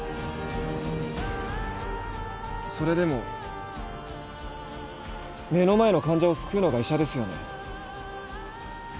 それでも目の前の患者を救うのが医者ですよね。